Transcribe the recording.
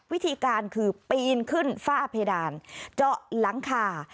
วิธีการคือปีนขึ้นฝ้าเพดานเจาะหลังคา